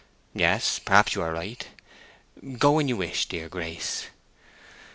"Yes; perhaps you are right. Go when you wish, dear Grace."